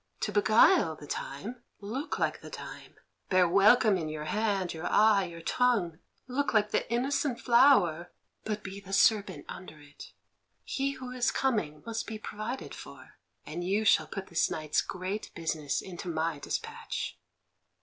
To beguile the time, look like the time; bear welcome in your hand, your eye, your tongue; look like the innocent flower, but be the serpent under it. He who is coming must be provided for, and you shall put this night's great business into my despatch."